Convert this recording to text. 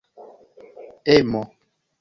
emo